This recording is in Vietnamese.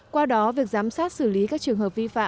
qua đó việc giám sát xử lý các trường hợp